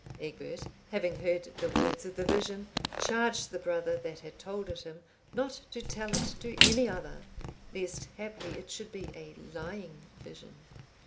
(820) Egbert, having heard the words of the vision, charged the brother that had told it him, not to tell it to any other, lest haply it should be a lying vision.